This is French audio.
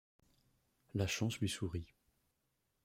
La chance lui sourit.